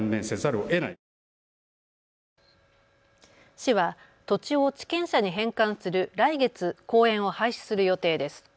市は土地を地権者に返還する来月、公園を廃止する予定です。